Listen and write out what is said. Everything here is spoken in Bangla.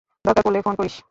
দরকার পড়লে ফোন করিস।